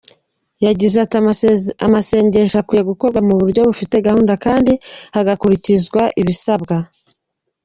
Yagize ati “Amasengesho akwiye gukorwa mu buryo bufite gahunda kandi hagakurikizwa ibisabwa.